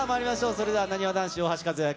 それでは、なにわ男子・大橋和也